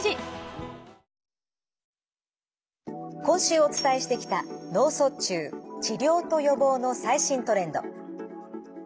今週お伝えしてきた「脳卒中治療と予防の最新トレンド」。